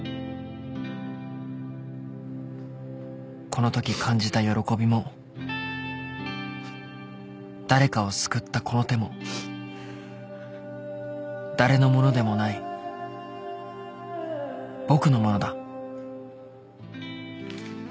［このとき感じた喜びも誰かを救ったこの手も誰のものでもない僕のものだ］